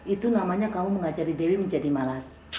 itu namanya kamu mengacari dewi menjadi malas